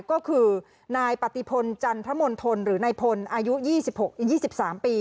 ก็คือนายปฏิพลจันทมณฑลหรือนายพลอายุ๒๓ปี